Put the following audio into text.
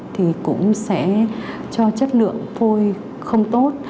thì cũng sẽ cho chất lượng phôi không tốt